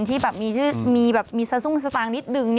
ที่แบบมีซาซุ่งสตางค์นิดหนึ่ง